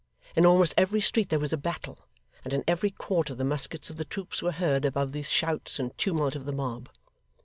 In almost every street, there was a battle; and in every quarter the muskets of the troops were heard above the shouts and tumult of the mob.